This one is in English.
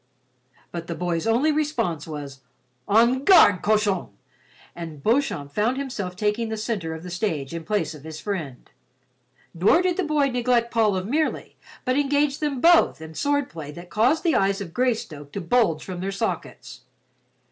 But the boy's only response was, "En garde, cochon," and Beauchamp found himself taking the center of the stage in the place of his friend. Nor did the boy neglect Paul of Merely, but engaged them both in swordplay that caused the eyes of Greystoke to bulge from their sockets.